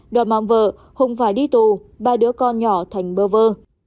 đoàn mạng vợ hùng phải đi tù ba đứa con nhỏ thành bơ vơ